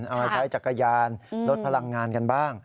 เอามาใช้จักรยานลดพลังงานกันบ้าง